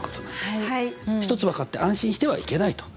１つ分かって安心してはいけないと。